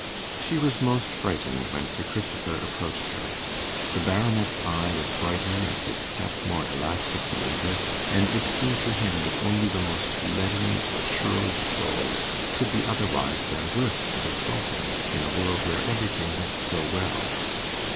She was most frightened when Sir Christopher approached her. The Baronet's eye was brighter and his step more elastic than ever, and it seemed to him that only the most leaden or churlish souls could be otherwise than brisk and exulting in a world where everything went so well.